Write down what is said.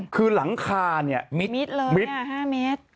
คือหลังคามิด